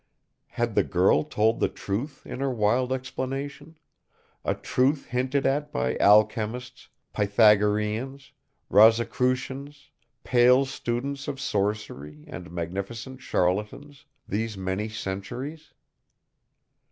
Had the girl told the truth in her wild explanation? A truth hinted at by alchemists, Pythagoreans, Rosicrucians, pale students of sorcery and magnificent charlatans, these many centuries?